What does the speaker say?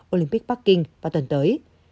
olympic bắc kinh vào tuần tới